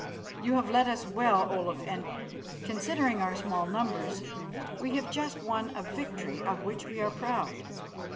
You have led us well, Olaf, and, considering our small numbers, we have just won a victory of which we are proud.